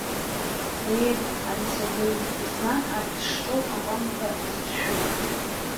Ее, анцәа ду, избан арҭ шҿоу акәамԥа зыҿшәо!